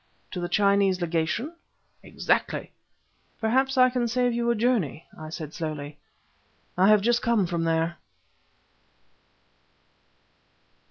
"To the Chinese Legation?" "Exactly!" "Perhaps I can save you a journey," I said slowly. "I have just come from there!"